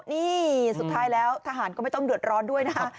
นี่สุดท้ายแล้วทหารก็ไม่ต้องเดือดร้อนด้วยนะคะ